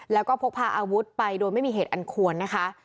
แล้วก็พกพาอาวุธไปโดยไม่มีเหตุอันควรนะคะ